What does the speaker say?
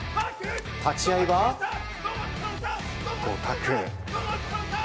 立ち合いは互角。